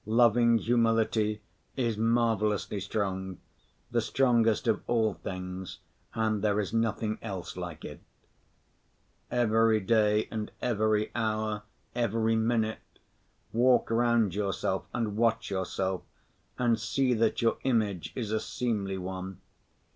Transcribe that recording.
Loving humility is marvelously strong, the strongest of all things, and there is nothing else like it. Every day and every hour, every minute, walk round yourself and watch yourself, and see that your image is a seemly one.